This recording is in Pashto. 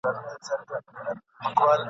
فیصله وکړه خالق د کایناتو !.